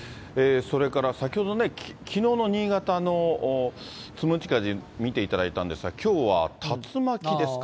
それから先ほどね、きのうの新潟のつむじ風見ていただいたんですが、きょうは竜巻ですか。